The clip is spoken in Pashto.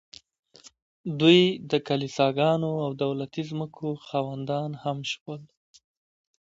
دوی د کلیساګانو او دولتي ځمکو خاوندان هم شول